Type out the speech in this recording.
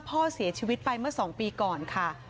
พ่อเสียชีวิตไปเมื่อ๒ปีก่อนค่ะ